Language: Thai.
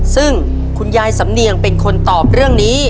ซึ่งคุณยายสำเนียงเป็นคนตอบเรื่องนี้